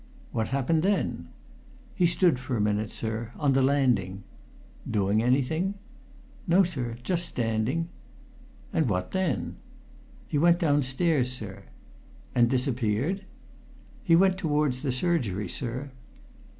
"What happened then?" "He stood for a minute, sir, on the landing." "Doing anything?" "No, sir just standing." "And what then?" "He went downstairs, sir." "And disappeared?" "He went towards the surgery, sir."